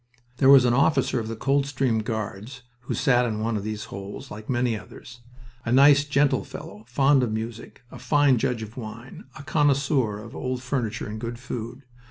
There was an officer of the Coldstream Guards who sat in one of these holes, like many others. A nice, gentle fellow, fond of music, a fine judge of wine, a connoisseur of old furniture and good food.